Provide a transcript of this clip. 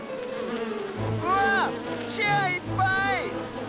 うわっチェアいっぱい！